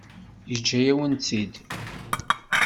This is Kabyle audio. Yeǧǧa-yawen-tt-id.